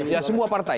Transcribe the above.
ya semua partai